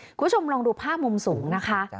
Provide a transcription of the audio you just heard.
คุณผู้ชมลองดูภาพมุมสูงนะคะ